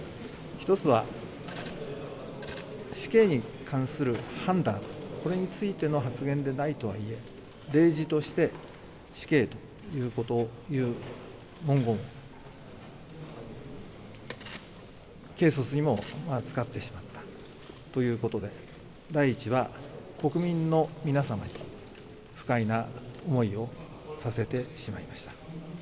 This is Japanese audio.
１つは死刑に関する判断、これについての発言でないとはいえ、例示として死刑という文言、軽率にも使ってしまったということで、第一は国民の皆様に、不快な思いをさせてしまいました。